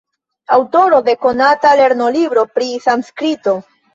Aŭtoro de konata lernolibro pri sanskrito.